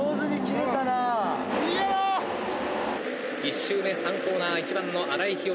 １周目３コーナー１番の新井日和。